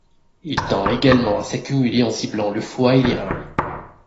Il tend également à s'accumuler en ciblant le foie et les reins.